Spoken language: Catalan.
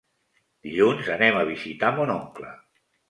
Dilluns anem a visitar mon oncle.